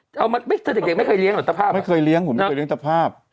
เอามาแต่เด็กไม่เคยเลี้ยหัตภาพไม่เคยเลี้ยงผมไม่เคยเลี้ยตะภาพ